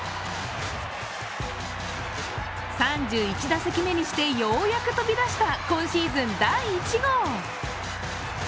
３１打席目にしてようやく飛び出した今シーズン第１号。